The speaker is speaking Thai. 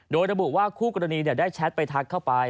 โดยระบุว่าคู่กรณีได้แชทไปทักเข้าไป